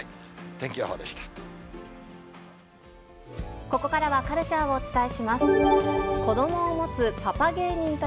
天気予報でした。